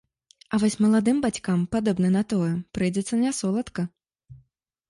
А вось маладым бацькам, падобна на тое, прыйдзецца нясоладка.